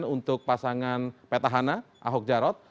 untuk pasangan petahana ahok jarot